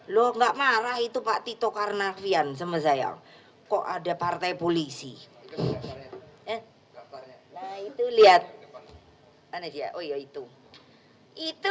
loh nggak marah itu pak tito karnavian semen sayang kok ada partai polisi itu lihat ane dia oh ya itu